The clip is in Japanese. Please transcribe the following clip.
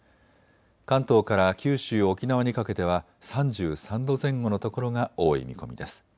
関東から九州・沖縄にかけては３３度前後の所が多い見込みです。